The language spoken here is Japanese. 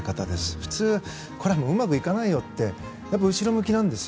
普通、うまくいかないよって後ろ向きなんですよ。